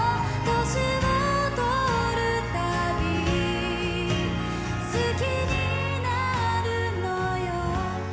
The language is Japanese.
「歳をとるたび好きになるのよ」